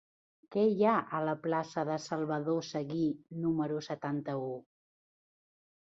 Què hi ha a la plaça de Salvador Seguí número setanta-u?